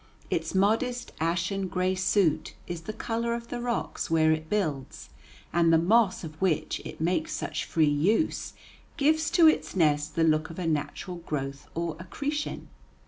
Its modest ashen gray suit is the color of the rocks where it builds, and the moss of which it makes such free use gives to its nest the look of a natural growth or accretion.